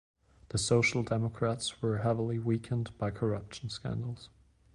The Social Democrats were heavily weakened by corruption scandals.